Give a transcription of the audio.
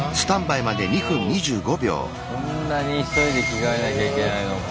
こんなに急いで着替えなきゃいけないのか。